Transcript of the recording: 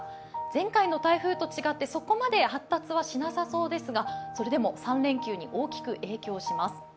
前回の台風と違ってそこまで発達はしなさそうですがそれでも３連休に大きく影響します